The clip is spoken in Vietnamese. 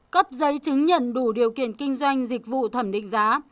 cấp giấy chứng nhận đủ điều kiện kinh doanh dịch vụ thẩm định giá